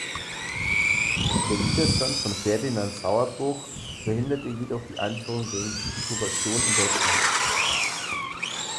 Der Widerstand von Ferdinand Sauerbruch verhinderte jedoch die Einführung der Intubation in Deutschland.